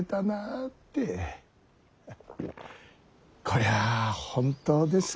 こりゃ本当です。